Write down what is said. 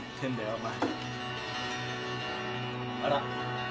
お前。